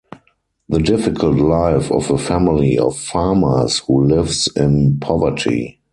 The difficult life of a family of farmers who lives in poverty.